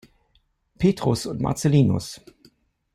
Petrus und Marcellinus.